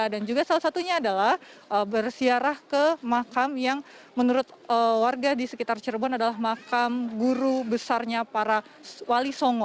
dan juga salah satunya adalah bersiarah ke makam yang menurut warga di sekitar cirebon adalah makam guru besarnya para wali songo